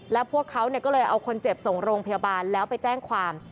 แล้วพวกเขาก็เลยเอาคนเจ็บส่งโรงพยาบาลแล้วไปแจ้งความ